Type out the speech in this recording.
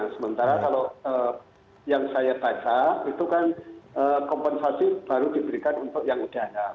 sementara kalau yang saya baca itu kan kompensasi baru diberikan untuk yang udara